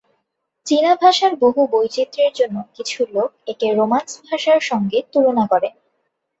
চীনা ভাষার বহু বৈচিত্র্যের জন্য কিছু লোক একে রোমান্স ভাষার সঙ্গে তুলনা করে।